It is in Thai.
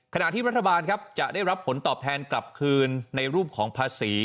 ขณะที่รัฐบาลครับจะได้รับผลตอบแทนกลับคืนในรูปของภาษี